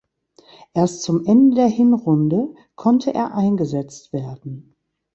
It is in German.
Erst zum Ende der Hinrunde konnte er eingesetzt werden.